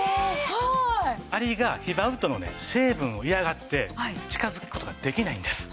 アリがヒバウッドのね成分を嫌がって近づく事ができないんです。